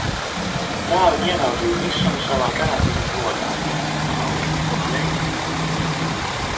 Tā viņa ieraudzīja Visumu savā karantīnas logā. Alise ir dzejniece.